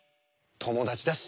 ともだちだし。